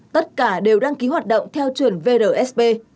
tất cả đều đăng ký hoạt động theo chuẩn vrsb